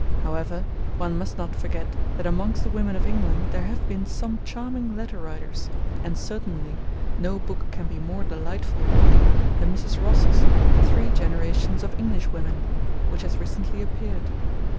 However, one must not forget that amongst the women of England there have been some charming letter writers, and certainly no book can be more delightful reading than Mrs. Ross's Three Generations of English Women, which has recently appeared.